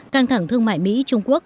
căng thẳng thương mại mỹ trung quốc